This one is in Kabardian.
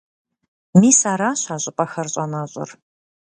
Мис аращ а щӀыпӀэхэр щӀэнэщӀыр.